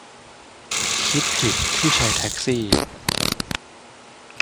คิดผิดที่ใช้แท็กซี่